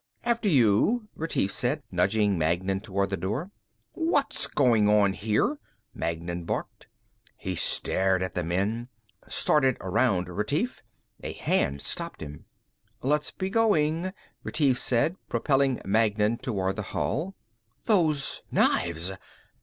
"After you," Retief said, nudging Magnan toward the door. "What's going on here?" Magnan barked. He stared at the men, started around Retief. A hand stopped him. "Let's be going," Retief said, propelling Magnan toward the hall. "Those knives!"